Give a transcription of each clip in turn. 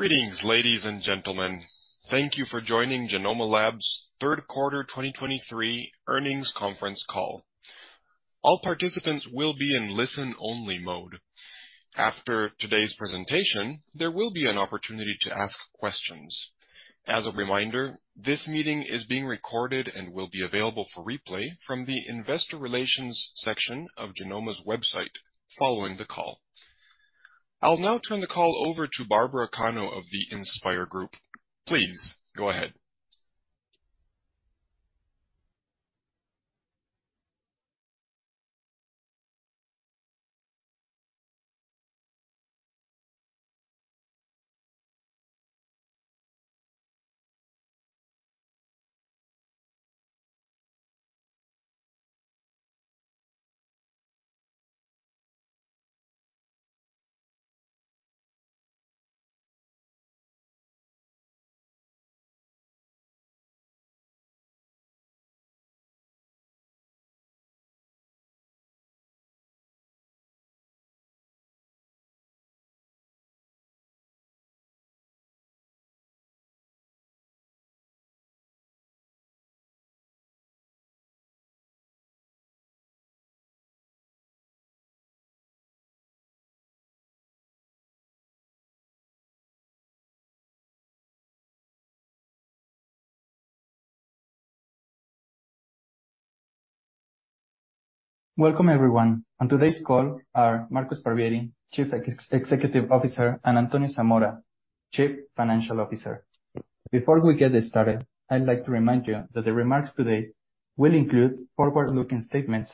Greetings, ladies and gentlemen. Thank you for joining Genomma Lab's third quarter 2023 earnings conference call. All participants will be in listen-only mode. After today's presentation, there will be an opportunity to ask questions. As a reminder, this meeting is being recorded and will be available for replay from the investor relations section of Genomma's website following the call. I'll now turn the call over to Barbara Cano of the InspIR Group. Please go ahead. Welcome, everyone. On today's call are Marco Sparvieri, Chief Executive Officer, and Antonio Zamora, Chief Financial Officer. Before we get started, I'd like to remind you that the remarks today will include forward-looking statements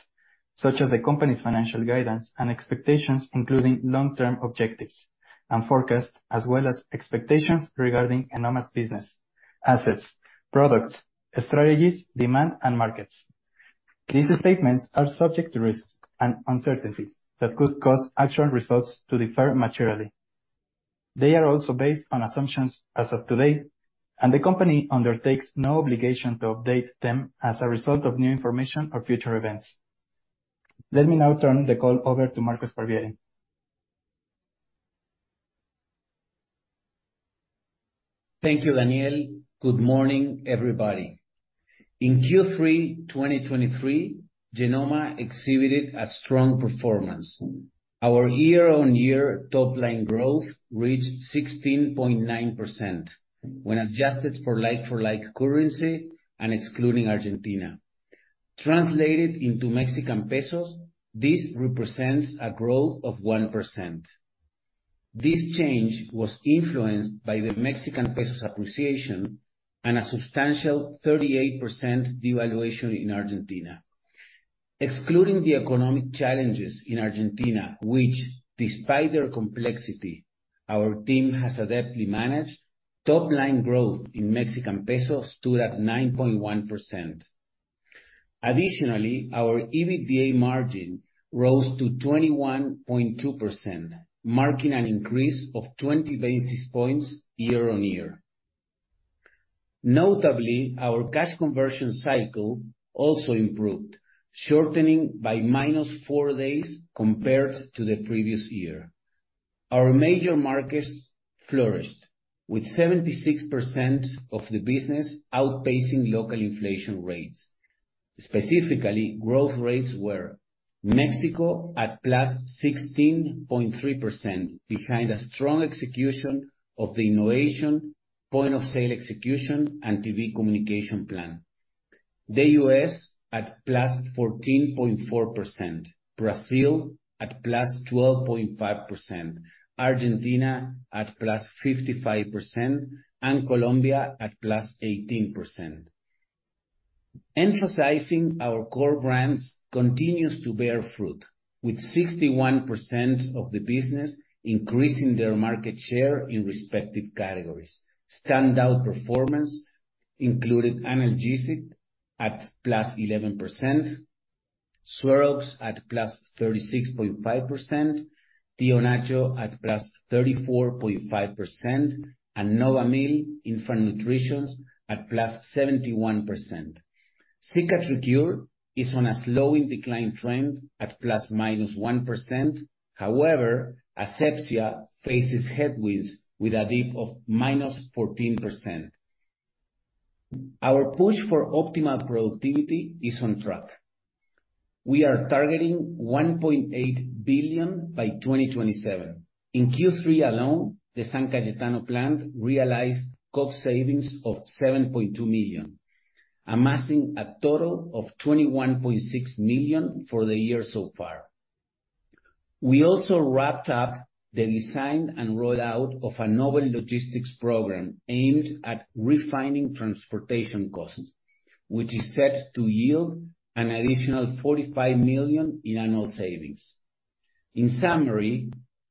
such as the company's financial guidance and expectations, including long-term objectives and forecasts, as well as expectations regarding Genomma's business, assets, products, strategies, demand, and markets. These statements are subject to risks and uncertainties that could cause actual results to differ materially. They are also based on assumptions as of today, and the company undertakes no obligation to update them as a result of new information or future events. Let me now turn the call over to Marco Sparvieri. Thank you, Daniel. Good morning, everybody. In Q3 2023, Genomma exhibited a strong performance. Our year-on-year top-line growth reached 16.9% when adjusted for like-for-like currency and excluding Argentina. Translated into Mexican pesos, this represents a growth of 1%. This change was influenced by the Mexican peso appreciation and a substantial 38% devaluation in Argentina. Excluding the economic challenges in Argentina, which despite their complexity, our team has adeptly managed, top-line growth in Mexican pesos stood at 9.1%. Additionally, our EBITDA margin rose to 21.2%, marking an increase of 20 basis points year-on-year. Notably, our cash conversion cycle also improved, shortening by -4 days compared to the previous year. Our major markets flourished, with 76% of the business outpacing local inflation rates. Specifically, growth rates were Mexico at +16.3%, behind a strong execution of the innovation, point-of-sale execution, and TV communication plan. The US at +14.4%, Brazil at +12.5%, Argentina at +55%, and Colombia at +18%. Emphasizing our core brands continues to bear fruit, with 61% of the business increasing their market share in respective categories. Standout performance included Analgesics at +11%, SueroX at +36.5%, Tío Nacho at +34.5%, and Novamil infant nutrition at +71%. Cicatricure is on a slowing decline trend at ±1%. However, Asepxia faces headwinds with a dip of -14%. Our push for optimal productivity is on track. We are targeting 1.8 billion by 2027. In Q3 alone, the San Cayetano plant realized cost savings of 7.2 million, amassing a total of 21.6 million for the year so far. We also wrapped up the design and rollout of a novel logistics program aimed at refining transportation costs, which is set to yield an additional 45 million in annual savings. In summary,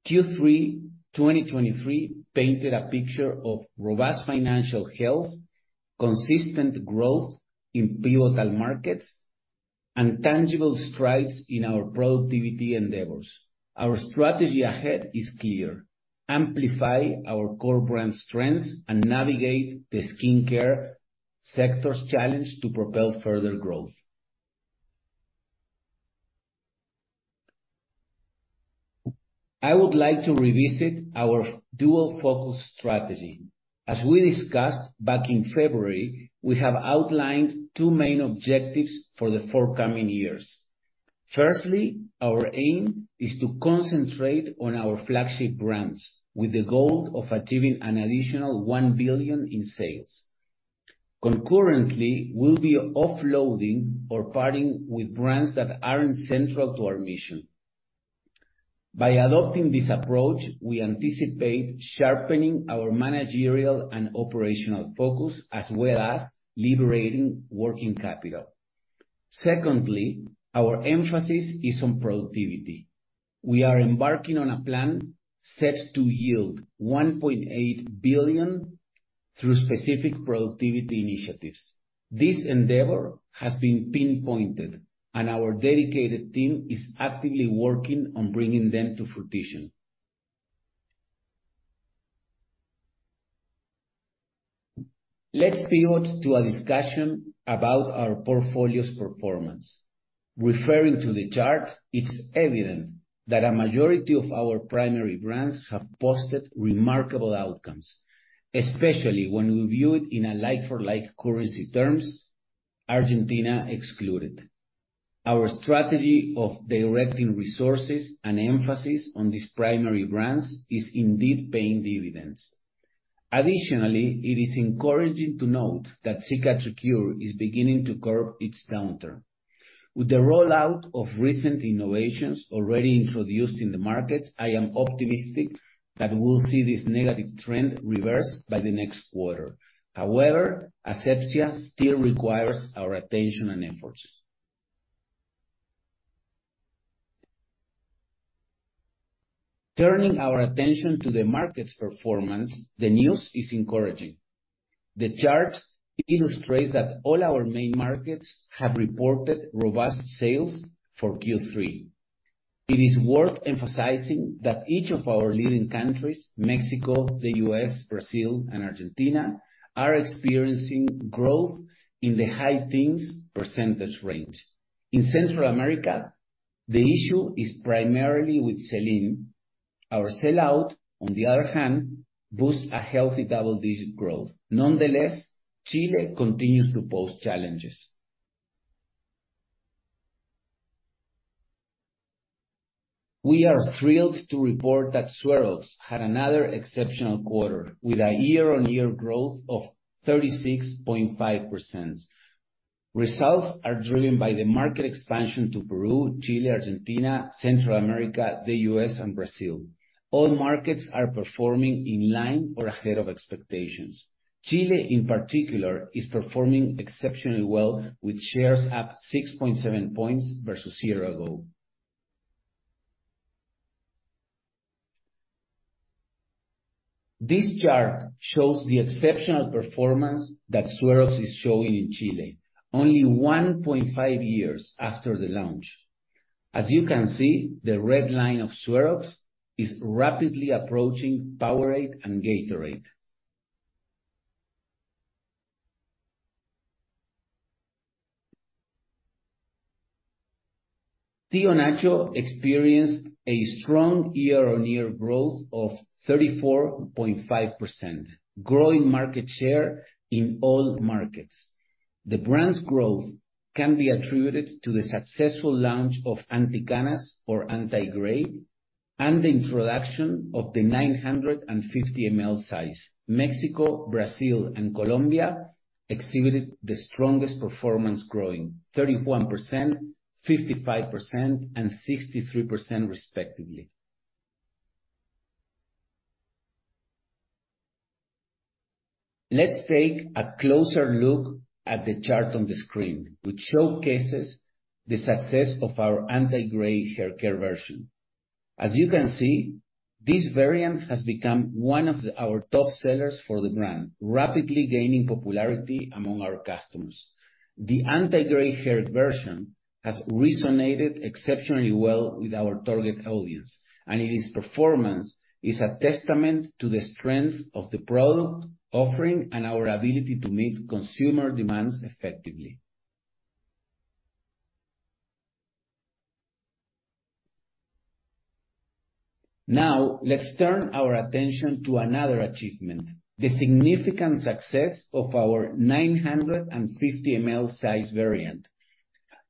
Q3 2023 painted a picture of robust financial health, consistent growth in pivotal markets, and tangible strides in our productivity endeavors. Our strategy ahead is clear: amplify our core brand strengths and navigate the skincare sector's challenge to propel further growth. I would like to revisit our dual focus strategy. As we discussed back in February, we have outlined 2 main objectives for the forthcoming years. Firstly, our aim is to concentrate on our flagship brands, with the goal of achieving an additional 1 billion in sales. Concurrently, we'll be offloading or parting with brands that aren't central to our mission. By adopting this approach, we anticipate sharpening our managerial and operational focus, as well as liberating working capital. Secondly, our emphasis is on productivity. We are embarking on a plan set to yield 1.8 billion through specific productivity initiatives. This endeavor has been pinpointed, and our dedicated team is actively working on bringing them to fruition. Let's pivot to a discussion about our portfolio's performance. Referring to the chart, it's evident that a majority of our primary brands have posted remarkable outcomes, especially when we view it in a like-for-like currency terms, Argentina excluded. Our strategy of directing resources and emphasis on these primary brands is indeed paying dividends. Additionally, it is encouraging to note that Cicatricure is beginning to curb its downturn. With the rollout of recent innovations already introduced in the market, I am optimistic that we'll see this negative trend reversed by the next quarter. However, Asepxia still requires our attention and efforts. Turning our attention to the market's performance, the news is encouraging. The chart illustrates that all our main markets have reported robust sales for Q3. It is worth emphasizing that each of our leading countries, Mexico, the US, Brazil, and Argentina, are experiencing growth in the high teens% range. In Central America, the issue is primarily with sell-in. Our sell-out, on the other hand, boasts a healthy double-digit growth. Nonetheless, Chile continues to pose challenges. We are thrilled to report that SueroX had another exceptional quarter, with a year-on-year growth of 36.5%. Results are driven by the market expansion to Peru, Chile, Argentina, Central America, the US, and Brazil. All markets are performing in line or ahead of expectations. Chile, in particular, is performing exceptionally well, with shares up 6.7 points versus a year ago. This chart shows the exceptional performance that SueroX is showing in Chile only 1.5 years after the launch. As you can see, the red line of SueroX is rapidly approaching Powerade and Gatorade. Tío Nacho experienced a strong year-on-year growth of 34.5%, growing market share in all markets. The brand's growth can be attributed to the successful launch of Anti-Canas or Anti-Gray, and the introduction of the 950 ml size. Mexico, Brazil, and Colombia exhibited the strongest performance, growing 31%, 55%, and 63% respectively. Let's take a closer look at the chart on the screen, which showcases the success of our anti-gray hair care version. As you can see, this variant has become one of our top sellers for the brand, rapidly gaining popularity among our customers. The anti-gray hair version has resonated exceptionally well with our target audience, and its performance is a testament to the strength of the product offering and our ability to meet consumer demands effectively. Now, let's turn our attention to another achievement, the significant success of our 950 ml size variant.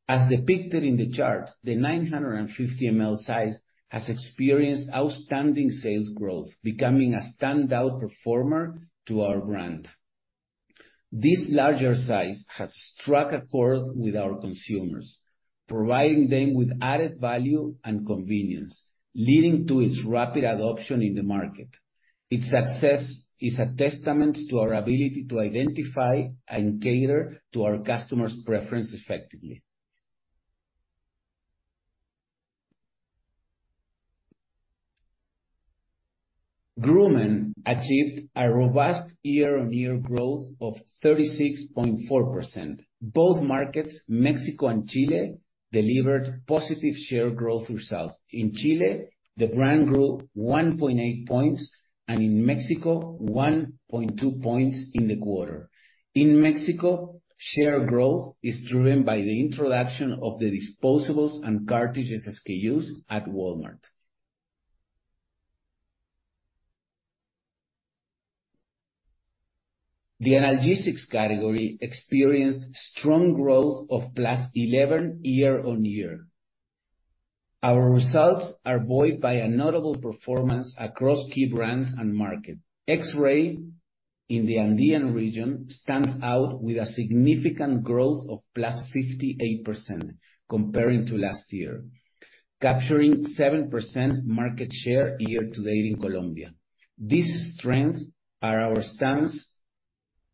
As depicted in the chart, the 950 ml size has experienced outstanding sales growth, becoming a standout performer to our brand. This larger size has struck a chord with our consumers, providing them with added value and convenience, leading to its rapid adoption in the market. Its success is a testament to our ability to identify and cater to our customers' preference effectively. Groomen achieved a robust year-on-year growth of 36.4%. Both markets, Mexico and Chile, delivered positive share growth results. In Chile, the brand grew 1.8 points, and in Mexico, 1.2 points in the quarter. In Mexico, share growth is driven by the introduction of the disposables and cartridges SKUs at Walmart.... The analgesics category experienced strong growth of +11% year-on-year. Our results are buoyed by a notable performance across key brands and markets. X-Ray in the Andean region stands out with a significant growth of +58% comparing to last year, capturing 7% market share year to date in Colombia. These strengths are our stance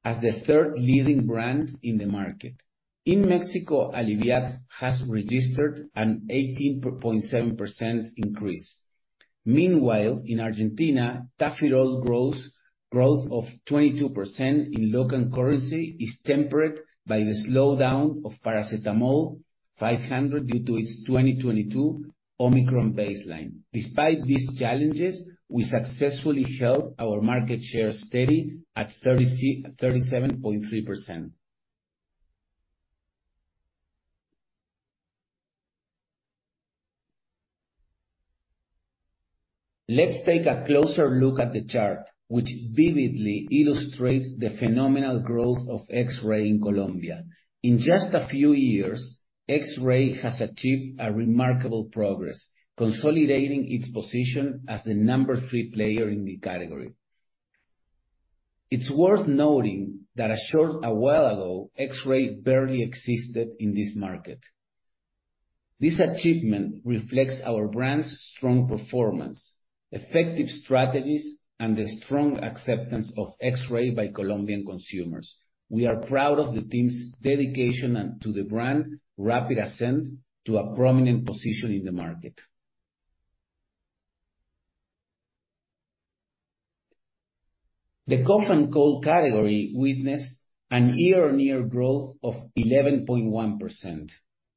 as the third leading brand in the market. In Mexico, Alliviax has registered an 18.7% increase. Meanwhile, in Argentina, Tafirol growth of 22% in local currency is tempered by the slowdown of Paracetamol 500 due to its 2022 Omicron baseline. Despite these challenges, we successfully held our market share steady at thirty-seven point 3%. Let's take a closer look at the chart, which vividly illustrates the phenomenal growth of X-Ray in Colombia. In just a few years, X-Ray has achieved a remarkable progress, consolidating its position as the number three player in the category. It's worth noting that a short while ago, X-Ray barely existed in this market. This achievement reflects our brand's strong performance, effective strategies, and the strong acceptance of X-Ray by Colombian consumers. We are proud of the team's dedication and to the brand rapid ascent to a prominent position in the market. The cough and cold category witnessed a year-over-year growth of 11.1%.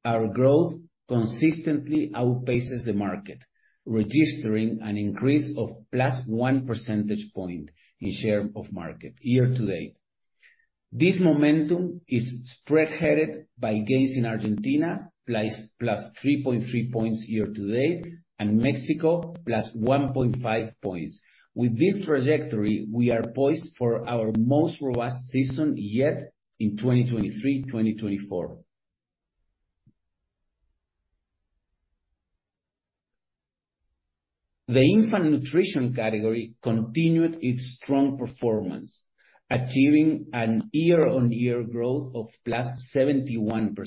Our growth consistently outpaces the market, registering an increase of +1 percentage point in share of market year to date. This momentum is spearheaded by gains in Argentina, +3.3 points year to date, and Mexico, +1.5 points. With this trajectory, we are poised for our most robust season yet in 2023, 2024. The infant nutrition category continued its strong performance, achieving a year-over-year growth of +71%.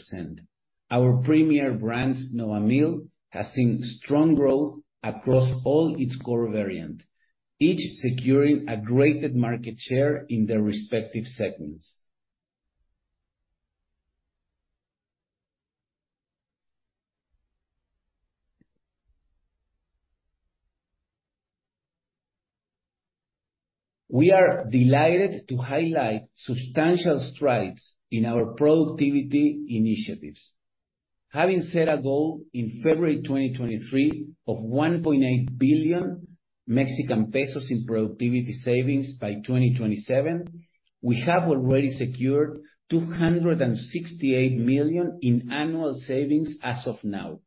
Our premier brand, Novamil, has seen strong growth across all its core variants, each securing a greater market share in their respective segments. We are delighted to highlight substantial strides in our productivity initiatives. Having set a goal in February 2023 of 1.8 billion Mexican pesos in productivity savings by 2027, we have already secured 268 million in annual savings as of now.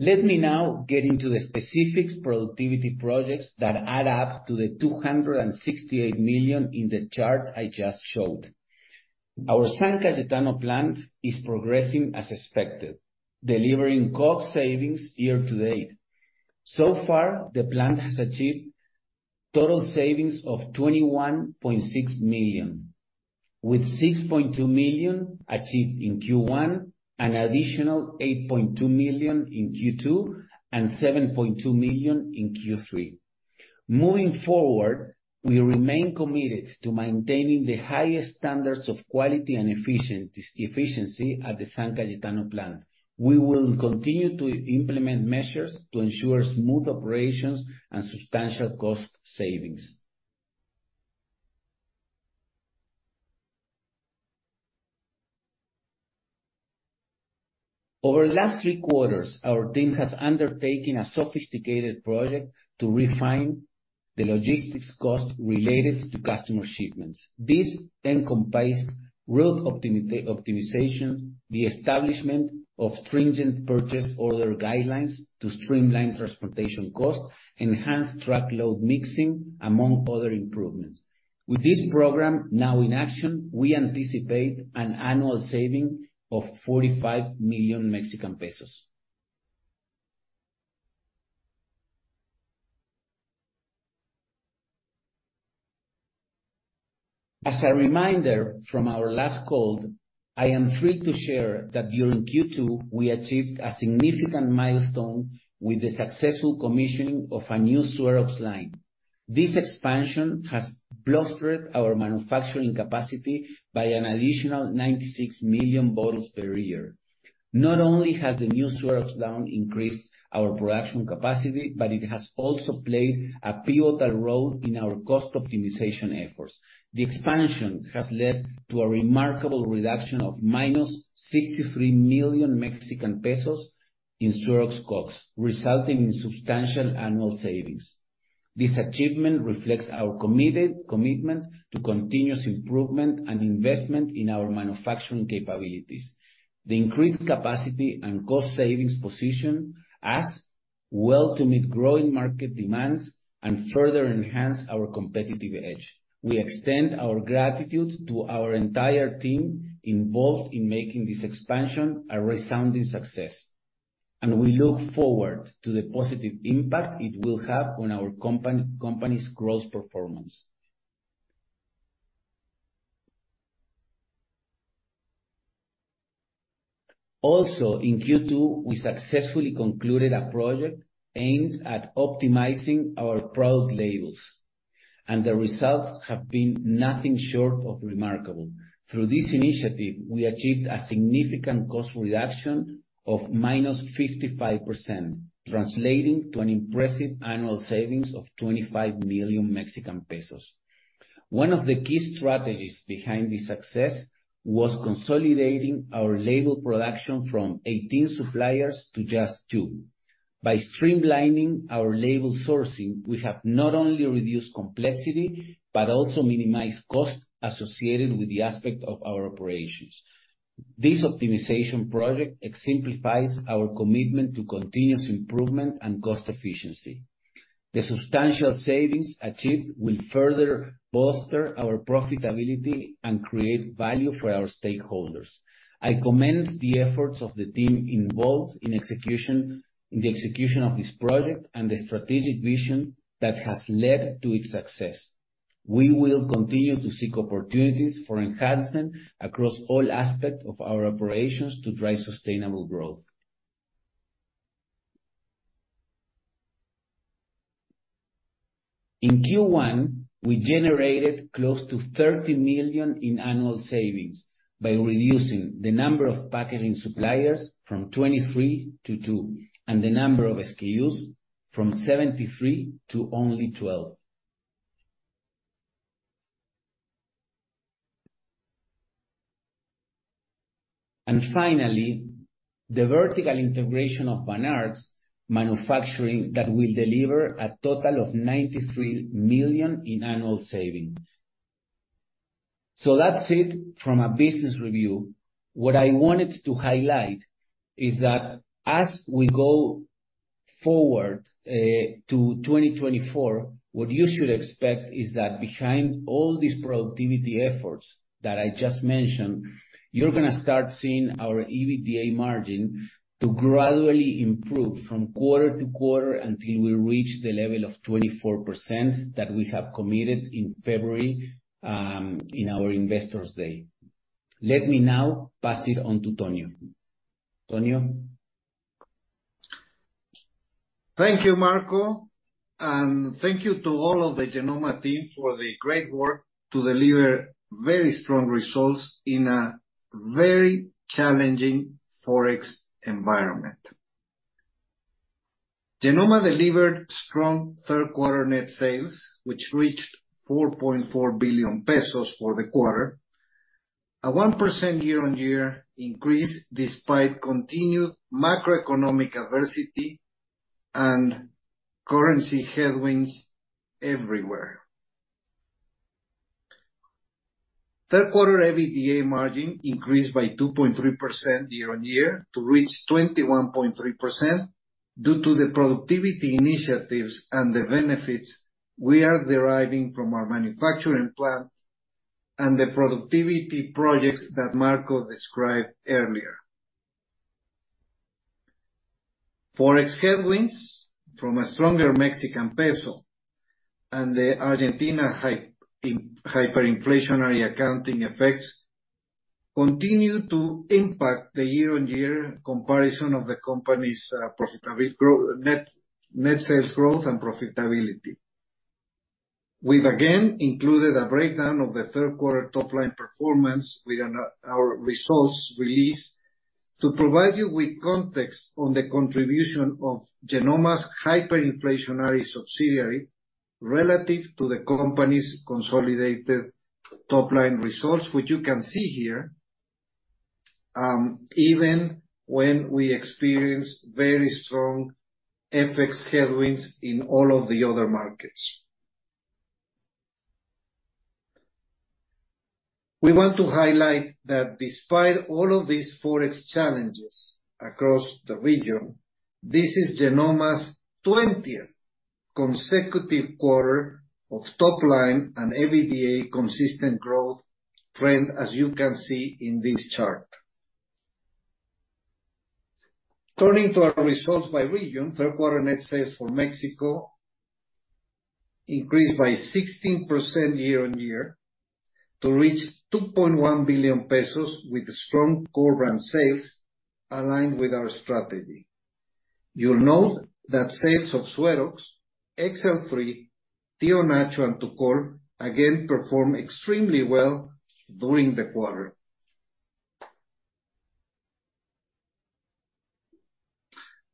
Let me now get into the specifics productivity projects that add up to the 268 million in the chart I just showed. Our San Cayetano plant is progressing as expected, delivering cost savings year to date. So far, the plant has achieved total savings of 21.6 million, with 6.2 million achieved in Q1, an additional 8.2 million in Q2, and 7.2 million in Q3. Moving forward, we remain committed to maintaining the highest standards of quality and efficiency, efficiency at the San Cayetano plant. We will continue to implement measures to ensure smooth operations and substantial cost savings. Over the last three quarters, our team has undertaken a sophisticated project to refine the logistics cost related to customer shipments. This encompassed route optimization, the establishment of stringent purchase order guidelines to streamline transportation costs, enhance truckload mixing, among other improvements. With this program now in action, we anticipate an annual saving of 45 million Mexican pesos. As a reminder from our last call, I am free to share that during Q2, we achieved a significant milestone with the successful commissioning of a new Suero line. This expansion has bolstered our manufacturing capacity by an additional 96 million bottles per year. Not only has the new Suero line increased our production capacity, but it has also played a pivotal role in our cost optimization efforts. The expansion has led to a remarkable reduction of -63 million Mexican pesos in Suero costs, resulting in substantial annual savings.... This achievement reflects our committed commitment to continuous improvement and investment in our manufacturing capabilities. The increased capacity and cost savings position us well to meet growing market demands and further enhance our competitive edge. We extend our gratitude to our entire team involved in making this expansion a resounding success, and we look forward to the positive impact it will have on our company's growth performance. Also, in Q2, we successfully concluded a project aimed at optimizing our product labels, and the results have been nothing short of remarkable. Through this initiative, we achieved a significant cost reduction of -55%, translating to an impressive annual savings of 25 million Mexican pesos. One of the key strategies behind this success was consolidating our label production from 18 suppliers to just two. By streamlining our label sourcing, we have not only reduced complexity, but also minimized costs associated with the aspect of our operations. This optimization project exemplifies our commitment to continuous improvement and cost efficiency. The substantial savings achieved will further bolster our profitability and create value for our stakeholders. I commend the efforts of the team involved in execution, in the execution of this project and the strategic vision that has led to its success. We will continue to seek opportunities for enhancement across all aspects of our operations to drive sustainable growth. In Q1, we generated close to 30 million in annual savings by reducing the number of packaging suppliers from 23 to 2, and the number of SKUs from 73 to only 12. Finally, the vertical integration of Vanart manufacturing that will deliver a total of 93 million in annual savings. So that's it from a business review. What I wanted to highlight is that as we go forward, to 2024, what you should expect is that behind all these productivity efforts that I just mentioned, you're gonna start seeing our EBITDA margin to gradually improve from quarter to quarter, until we reach the level of 24% that we have committed in February, in our Investors Day. Let me now pass it on to Tonio. Tonio? Thank you, Marco, and thank you to all of the Genomma team for the great work to deliver very strong results in a very challenging Forex environment. Genomma delivered strong third quarter net sales, which reached 4.4 billion pesos for the quarter, a 1% year-on-year increase, despite continued macroeconomic adversity and currency headwinds everywhere. Third quarter EBITDA margin increased by 2.3% year-on-year to reach 21.3%, due to the productivity initiatives and the benefits we are deriving from our manufacturing plant and the productivity projects that Marco described earlier. Forex headwinds from a stronger Mexican peso and the Argentina hyperinflationary accounting effects continue to impact the year-on-year comparison of the company's profitability, net sales growth and profitability. We've again included a breakdown of the third quarter top-line performance with our results release to provide you with context on the contribution of Genomma's hyperinflationary subsidiary relative to the company's consolidated top-line results, which you can see here, even when we experience very strong FX headwinds in all of the other markets. We want to highlight that despite all of these Forex challenges across the region, this is Genomma's twentieth consecutive quarter of top-line and EBITDA consistent growth trend, as you can see in this chart. Turning to our results by region, third quarter net sales for Mexico increased by 16% year-on-year to reach 2.1 billion pesos with strong core brand sales aligned with our strategy. You'll note that sales of SueroX, XL-3, Tío Nacho, and Tukol again performed extremely well during the quarter.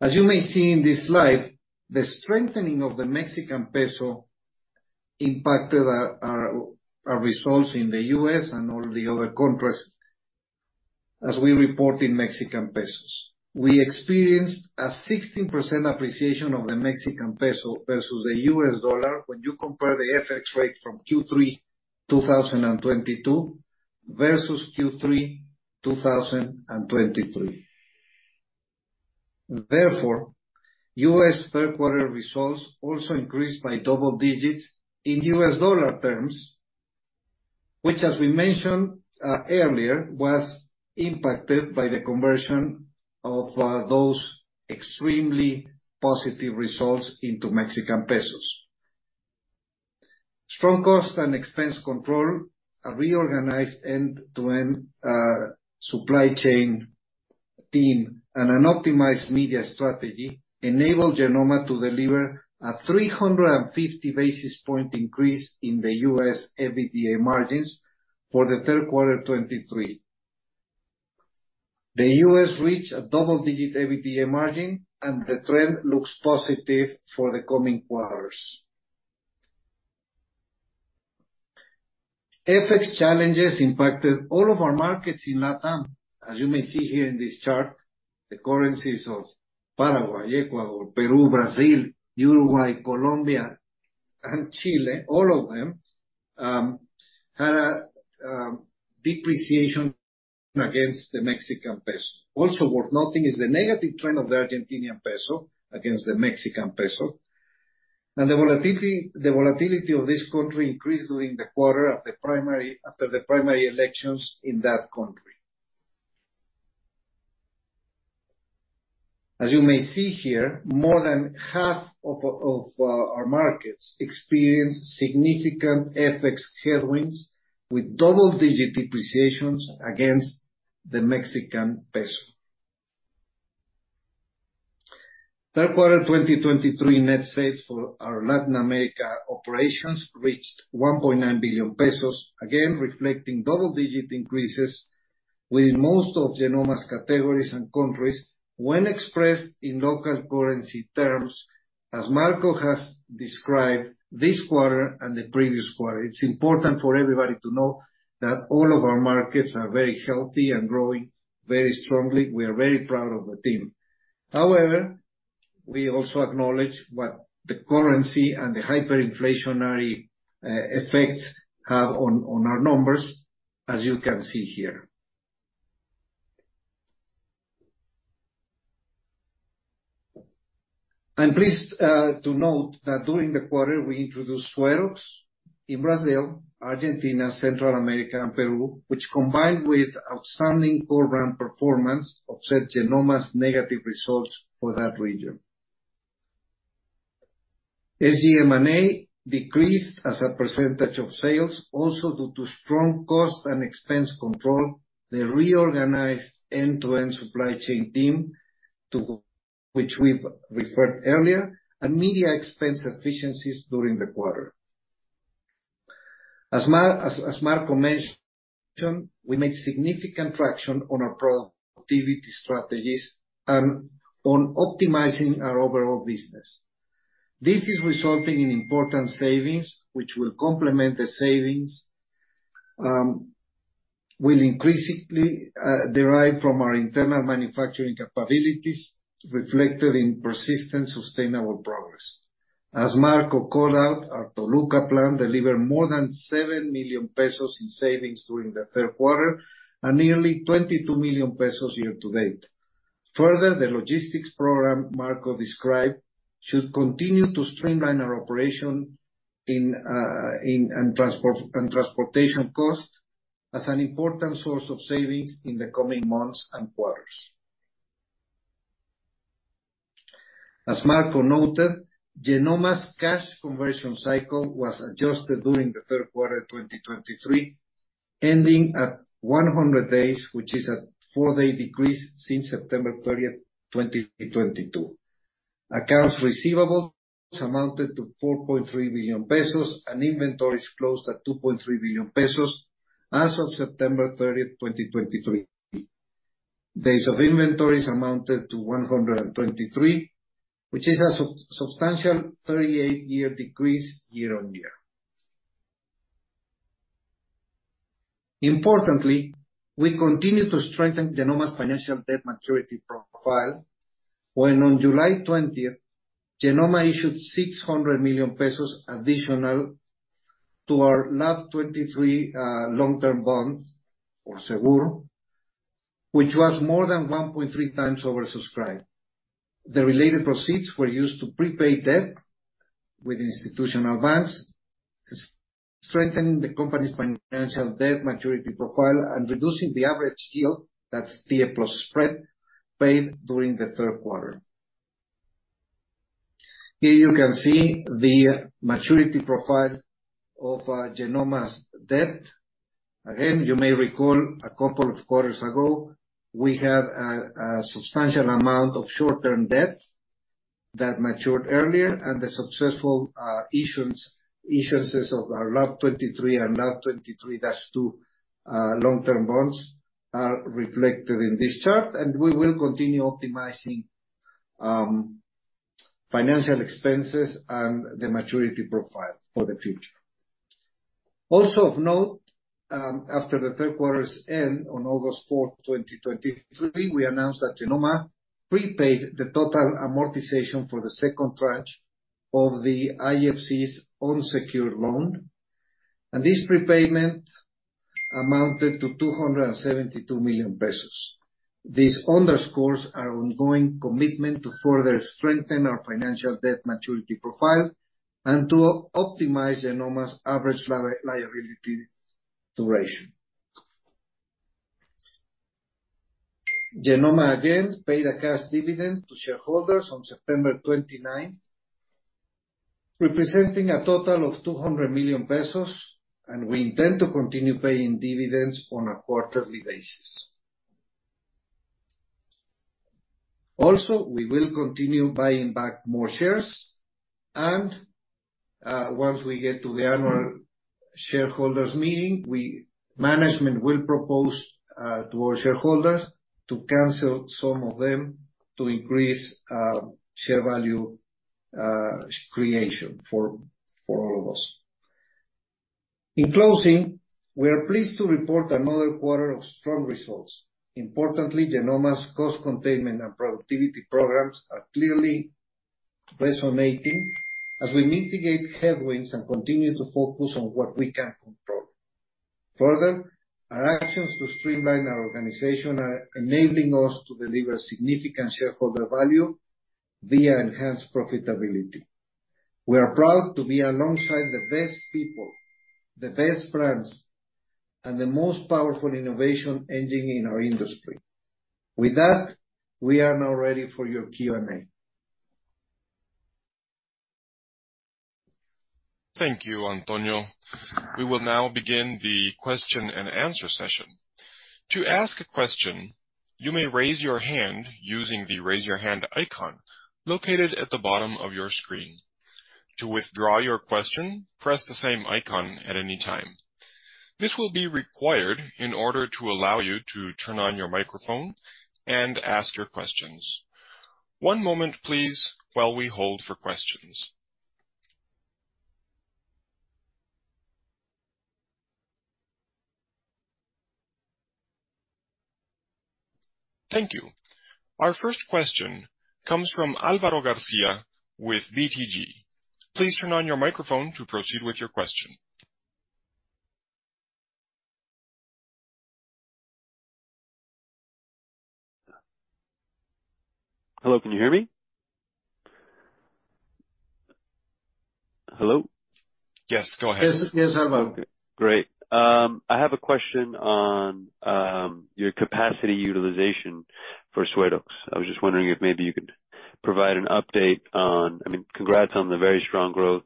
As you may see in this slide, the strengthening of the Mexican peso impacted our, our results in the US and all the other countries as we report in Mexican pesos. We experienced a 16% appreciation of the Mexican peso versus the US dollar when you compare the FX rate from Q3 2022 versus Q3 2023. Therefore, US third quarter results also increased by double digits in US dollar terms, which as we mentioned earlier, was impacted by the conversion of those extremely positive results into Mexican pesos. Strong cost and expense control, a reorganized end-to-end supply chain team, and an optimized media strategy enabled Genomma to deliver a 350 basis point increase in the US EBITDA margins for the third quarter 2023. The US reached a double-digit EBITDA margin, and the trend looks positive for the coming quarters. FX challenges impacted all of our markets in Latam. As you may see here in this chart, the currencies of Paraguay, Ecuador, Peru, Brazil, Uruguay, Colombia, and Chile, all of them had a depreciation against the Mexican peso. Also worth noting is the negative trend of the Argentinian peso against the Mexican peso. The volatility of this country increased during the quarter after the primary elections in that country. As you may see here, more than half of our markets experienced significant FX headwinds, with double-digit depreciations against the Mexican peso. Third quarter 2023 net sales for our Latin America operations reached 1.9 billion pesos, again, reflecting double-digit increases within most of Genomma's categories and countries when expressed in local currency terms, as Marco has described this quarter and the previous quarter. It's important for everybody to know that all of our markets are very healthy and growing very strongly. We are very proud of the team. However, we also acknowledge what the currency and the hyperinflationary effects have on, on our numbers, as you can see here. I'm pleased to note that during the quarter, we introduced SueroX in Brazil, Argentina, Central America, and Peru, which combined with outstanding core brand performance, offset Genomma's negative results for that region. SG&A decreased as a percentage of sales, also due to strong cost and expense control, the reorganized end-to-end supply chain team, to which we've referred earlier, and media expense efficiencies during the quarter. As Marco mentioned, we made significant traction on our productivity strategies and on optimizing our overall business. This is resulting in important savings, which will complement the savings, will increasingly derive from our internal manufacturing capabilities, reflected in persistent, sustainable progress. As Marco called out, our Toluca plant delivered more than 7 million pesos in savings during the third quarter, and nearly 22 million pesos year to date. Further, the logistics program Marco described should continue to streamline our operation in and transportation costs, as an important source of savings in the coming months and quarters. As Marco noted, Genomma's cash conversion cycle was adjusted during the third quarter of 2023, ending at 100 days, which is a 4-day decrease since September 30, 2022. Accounts receivable amounted to 4.3 billion pesos, and inventories closed at 2.3 billion pesos as of September 30, 2023. Days of inventories amounted to 123, which is a substantial 38-year decrease year on year. Importantly, we continue to strengthen Genomma's financial debt maturity profile when on July 20, Genomma issued 600 million pesos additional to our LAB-23 long-term bonds, or Cebures, which was more than 1.3 times oversubscribed. The related proceeds were used to prepay debt with institutional advance, strengthening the company's financial debt maturity profile and reducing the average yield that's TIIE plus spread paid during the third quarter. Here you can see the maturity profile of Genomma's debt. Again, you may recall a couple of quarters ago, we had a substantial amount of short-term debt that matured earlier, and the successful issuances of our LAB-23 and LAB-23-2 long-term bonds are reflected in this chart, and we will continue optimizing financial expenses and the maturity profile for the future.... Also of note, after the third quarter's end on August 4, 2023, we announced that Genomma prepaid the total amortization for the second tranche of the IFC's unsecured loan, and this prepayment amounted to 272 million pesos. This underscores our ongoing commitment to further strengthen our financial debt maturity profile and to optimize Genomma's average liability duration. Genomma again, paid a cash dividend to shareholders on September 29, representing a total of 200 million pesos, and we intend to continue paying dividends on a quarterly basis. Also, we will continue buying back more shares, and, once we get to the annual shareholders meeting, management will propose, to our shareholders to cancel some of them to increase, share value, creation for all of us. In closing, we are pleased to report another quarter of strong results. Importantly, Genomma's cost containment and productivity programs are clearly resonating as we mitigate headwinds and continue to focus on what we can control. Further, our actions to streamline our organization are enabling us to deliver significant shareholder value via enhanced profitability. We are proud to be alongside the best people, the best brands, and the most powerful innovation engine in our industry. With that, we are now ready for your Q&A. Thank you, Antonio. We will now begin the question and answer session. To ask a question, you may raise your hand using the Raise Your Hand icon located at the bottom of your screen. To withdraw your question, press the same icon at any time. This will be required in order to allow you to turn on your microphone and ask your questions. One moment, please, while we hold for questions. Thank you. Our first question comes from Álvaro García with BTG. Please turn on your microphone to proceed with your question. Hello, can you hear me? Hello? Yes, go ahead. Yes, yes, Alvaro. Great. I have a question on your capacity utilization for SueroX. I was just wondering if maybe you could provide an update on... I mean, congrats on the very strong growth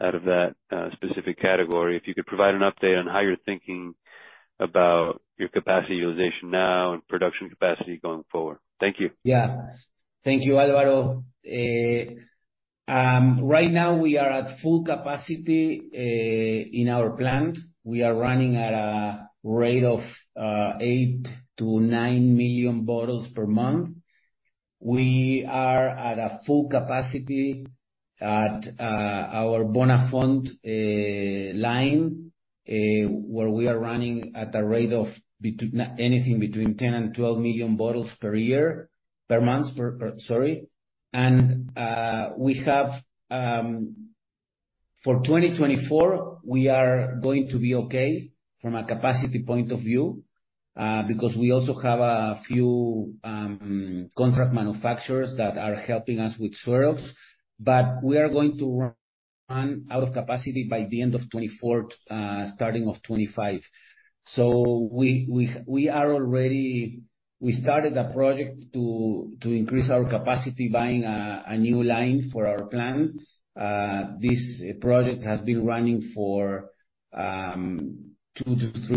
out of that specific category. If you could provide an update on how you're thinking about your capacity utilization now and production capacity going forward. Thank you. Yeah. Thank you, Alvaro. Right now, we are at full capacity in our plant. We are running at a rate of 8-9 million bottles per month. We are at full capacity at our Bonafont line, where we are running at a rate of between anything between 10 and 12 million bottles per year, per month, per. And we have for 2024, we are going to be okay from a capacity point of view, because we also have a few contract manufacturers that are helping us with SueroX, but we are going to run out of capacity by the end of 2024, starting of 2025. So we are already. We started a project to increase our capacity, buying a new line for our plant. This project has been running for 2-3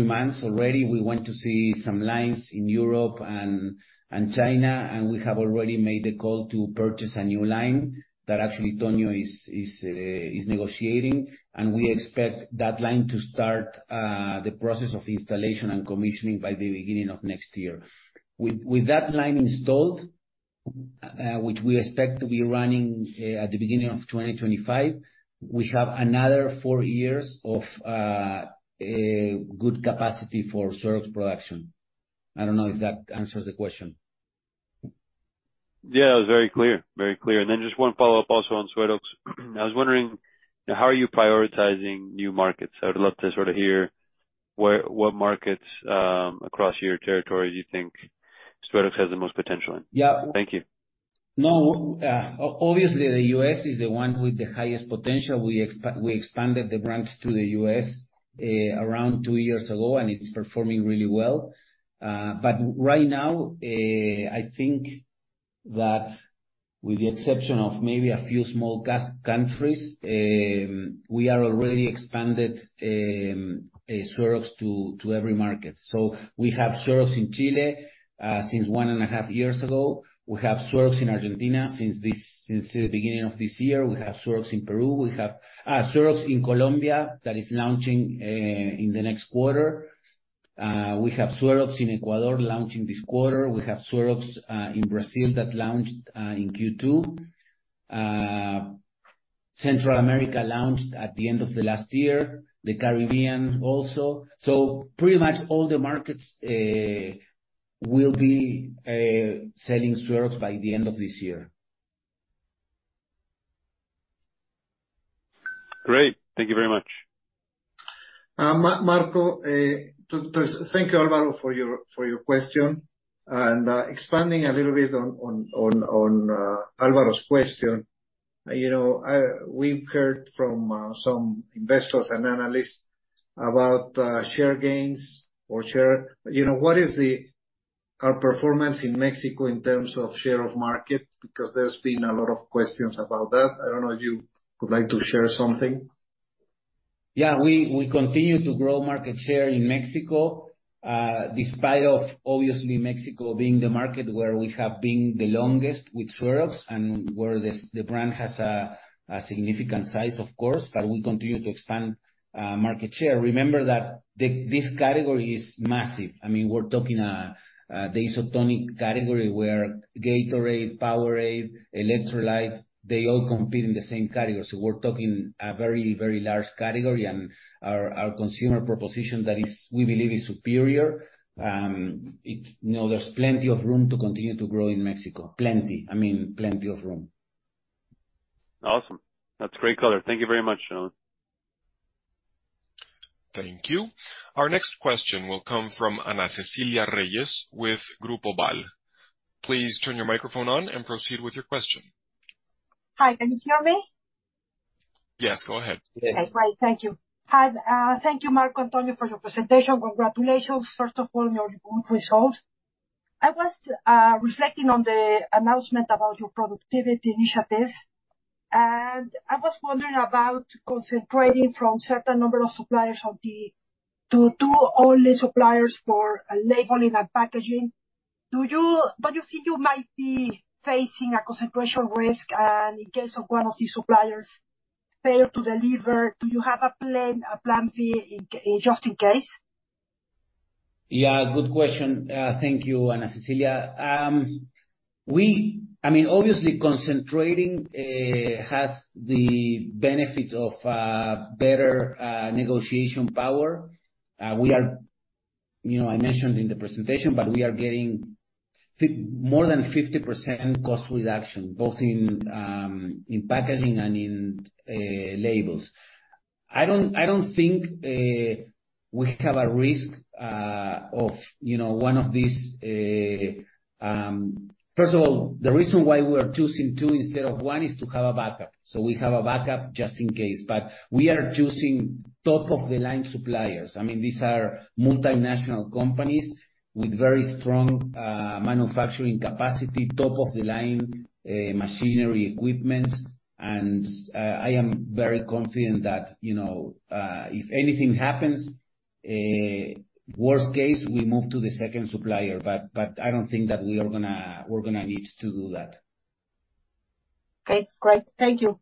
months already. We went to see some lines in Europe and China, and we have already made the call to purchase a new line that actually Tonio is negotiating. We expect that line to start the process of installation and commissioning by the beginning of next year. With that line installed, which we expect to be running at the beginning of 2025, we have another 4 years of a good capacity for SueroX production. I don't know if that answers the question. Yeah, it was very clear, very clear. And then just one follow-up also on SueroX. I was wondering, how are you prioritizing new markets? I would love to sort of hear where, what markets, across your territory you think SueroX has the most potential in. Yeah. Thank you. No, obviously, the US is the one with the highest potential. We expanded the branch to the US around two years ago, and it's performing really well. But right now, I think that with the exception of maybe a few small countries, we are already expanded SueroX to every market. So we have SueroX in Chile since one and a half years ago. We have SueroX in Argentina since this, since the beginning of this year. We have SueroX in Peru. We have SueroX in Colombia that is launching in the next quarter. We have SueroX in Ecuador launching this quarter. We have SueroX in Brazil that launched in Q2. Central America launched at the end of the last year, the Caribbean also. Pretty much all the markets will be selling SueroX by the end of this year. Great. Thank you very much. Marco, to thank you, Alvaro, for your question. And, expanding a little bit on Alvaro's question, you know, we've heard from some investors and analysts about share gains or share... You know, what is the our performance in Mexico in terms of share of market? Because there's been a lot of questions about that. I don't know if you would like to share something. Yeah, we continue to grow market share in Mexico, despite of obviously Mexico being the market where we have been the longest with SueroX, and where the brand has a significant size, of course, but we continue to expand market share. Remember that this category is massive. I mean, we're talking the isotonic category, where Gatorade, Powerade, Electrolit, they all compete in the same category. So we're talking a very, very large category, and our consumer proposition that we believe is superior. No, there's plenty of room to continue to grow in Mexico. Plenty, I mean, plenty of room. Awesome! That's great color. Thank you very much. Thank you. Our next question will come from Ana Cecilia Reyes, with Grupo BAL. Please turn your microphone on and proceed with your question. Hi, can you hear me? Yes, go ahead. Yes. Okay, great. Thank you. Hi, thank you, Marco Antonio, for your presentation. Congratulations, first of all, on your good results. I was reflecting on the announcement about your productivity initiatives, and I was wondering about concentrating from certain number of suppliers to only suppliers for labeling and packaging. Do you feel you might be facing a concentration risk, and in case one of your suppliers fail to deliver, do you have a plan, a plan B, just in case? Yeah, good question. Thank you, Ana Cecilia. I mean, obviously concentrating has the benefits of better negotiation power. We are, you know, I mentioned in the presentation, but we are getting more than 50% cost reduction, both in packaging and in labels. I don't, I don't think we have a risk of, you know, one of these... First of all, the reason why we are choosing two instead of one is to have a backup. So we have a backup just in case, but we are choosing top-of-the-line suppliers. I mean, these are multinational companies with very strong manufacturing capacity, top-of-the-line machinery, equipment. And I am very confident that, you know, if anything happens, worst case, we move to the second supplier. But I don't think that we are gonna need to do that. Great. Great. Thank you.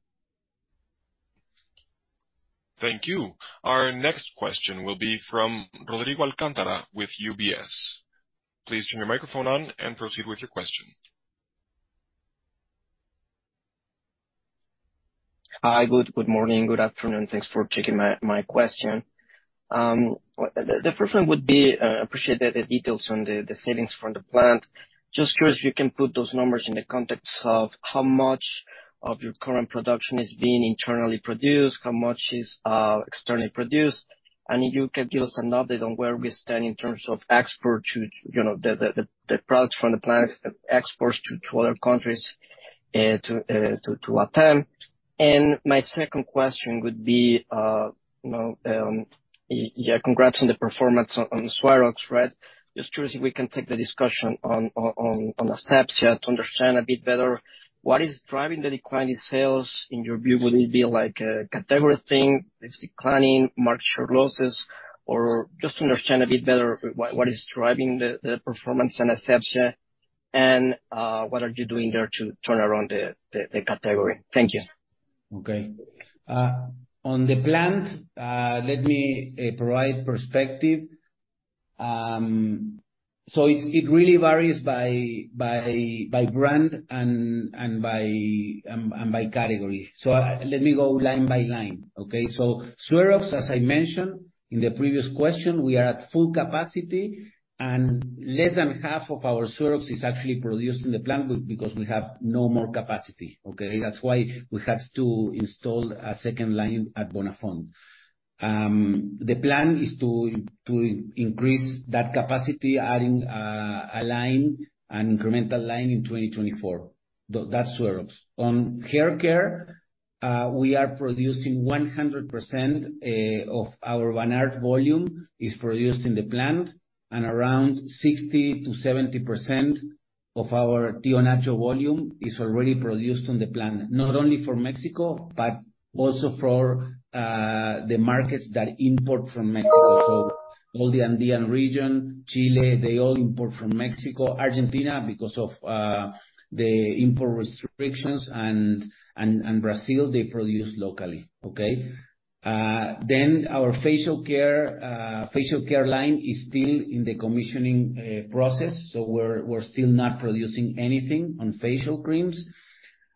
Thank you. Our next question will be from Rodrigo Alcántara with UBS. Please turn your microphone on and proceed with your question. Hi, good morning, good afternoon, thanks for taking my question. The first one would be, appreciate the details on the savings from the plant. Just curious, if you can put those numbers in the context of how much of your current production is being internally produced, how much is externally produced? And if you can give us an update on where we stand in terms of export to, you know, the products from the plant, exports to other countries, to what time? And my second question would be, you know, yeah, congrats on the performance on the SueroX, right? Just curious if we can take the discussion on Asepxia to understand a bit better what is driving the decline in sales. In your view, would it be like a category thing, it's declining, market share losses, or just to understand a bit better what is driving the performance in Asepxia, and what are you doing there to turn around the category? Thank you. Okay. On the plant, let me provide perspective. So it really varies by brand and by category. So, let me go line by line, okay? So SueroX, as I mentioned in the previous question, we are at full capacity, and less than half of our SueroX is actually produced in the plant, because we have no more capacity, okay? That's why we had to install a second line at Bonafont. The plan is to increase that capacity, adding a line, an incremental line in 2024. That's SueroX. On hair care, we are producing 100% of our Vanart volume is produced in the plant, and around 60%-70% of our Tío Nacho volume is already produced on the plant. Not only for Mexico, but also for the markets that import from Mexico. So all the Andean region, Chile, they all import from Mexico. Argentina, because of the import restrictions, and Brazil, they produce locally, okay? Then our facial care line is still in the commissioning process, so we're still not producing anything on facial creams.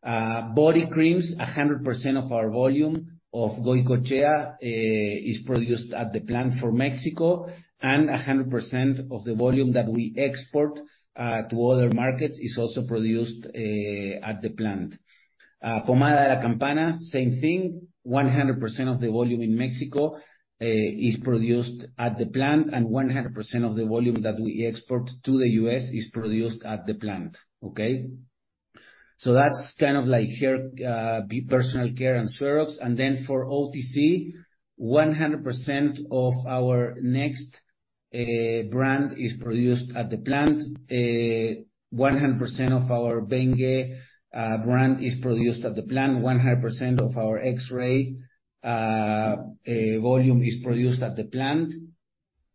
Body creams, 100% of our volume of Goicoechea is produced at the plant for Mexico, and 100% of the volume that we export to other markets is also produced at the plant. Pomada de la Campana, same thing, 100% of the volume in Mexico is produced at the plant, and 100% of the volume that we export to the US is produced at the plant. Okay? So that's kind of like hair, personal care, and syrups. And then for OTC, 100% of our Next brand is produced at the plant. 100% of our Bengué brand is produced at the plant. 100% of our X-Ray volume is produced at the plant.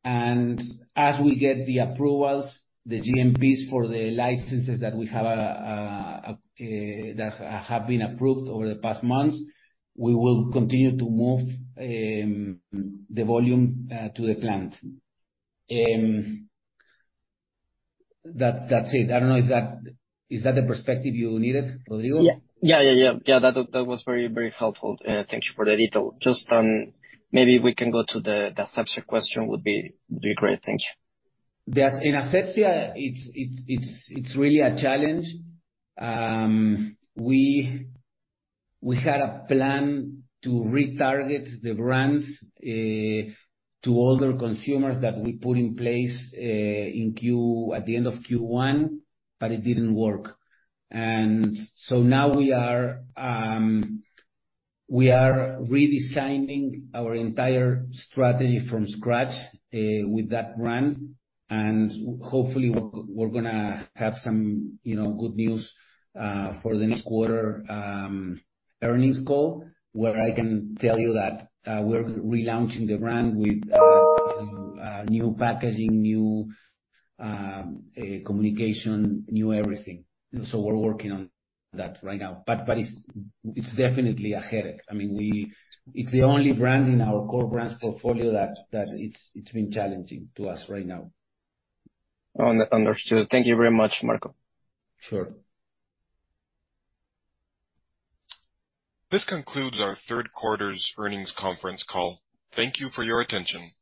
And as we get the approvals, the GMPs for the licenses that we have that have been approved over the past months, we will continue to move the volume to the plant. That's it. I don't know if that... Is that the perspective you needed, Rodrigo? Yeah. Yeah, yeah, yeah. Yeah, that, that was very, very helpful, and thank you for the detail. Just, maybe we can go to the, the Asepxia question would be, would be great. Thank you. The A- in Asepxia, it's really a challenge. We had a plan to retarget the brands to older consumers that we put in place in Q1 at the end of Q1, but it didn't work. And so now we are redesigning our entire strategy from scratch with that brand. And hopefully, we're gonna have some, you know, good news for the next quarter earnings call, where I can tell you that we're relaunching the brand with new packaging, new communication, new everything. So we're working on that right now. But it's definitely a headache. I mean, we... It's the only brand in our core brands portfolio that it's been challenging to us right now. Understood. Thank you very much, Marco. Sure. This concludes our third quarter's earnings conference call. Thank you for your attention.